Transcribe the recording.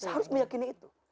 seharusnya meyakini itu